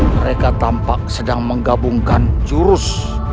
mereka tampak sedang menggabungkan jurus